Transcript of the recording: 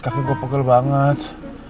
kaki gue pegel banget